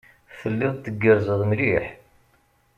Telliḍ tgerrzeḍ mliḥ.